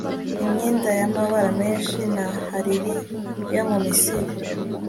imyenda y'amabara menshi, na hariri yo mu misiri